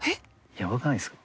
ヤバくないですか？